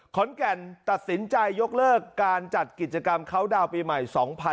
ขอนแก่นตัดสินใจยกเลิกการจัดกิจกรรมเขาดาวน์ปีใหม่๒๕๖๒